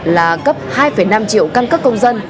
là cấp hai năm triệu căn cứ công dân